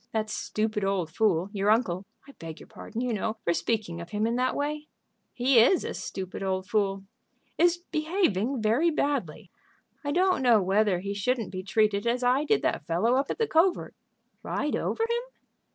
That stupid old fool, your uncle I beg your pardon, you know, for speaking of him in that way " "He is a stupid old fool." "Is behaving very badly. I don't know whether he shouldn't be treated as I did that fellow up at the covert." "Ride over him?"